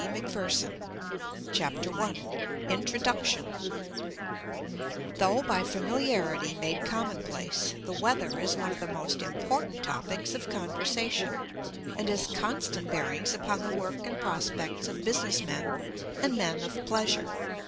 METEOROLOGY CHAPTER I INTRODUCTION Though by familiarity made commonplace, the "weather" is one of the most important topics of conversation, and has constant bearings upon the work and prospects of business men and men of pleasure.